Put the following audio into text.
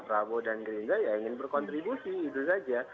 pak prabowo dan gerinda ya ingin berkontribusi itu saja